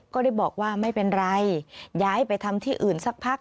ก็ได้บอกว่าไม่เป็นไรย้ายไปทำที่อื่นสักพัก